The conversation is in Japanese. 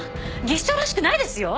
技師長らしくないですよ？